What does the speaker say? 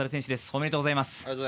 おめでとうございます。